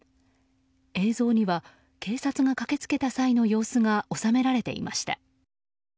映像には警察が駆けつけた際の様子が収められていました。